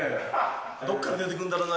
どっから出てくんだろな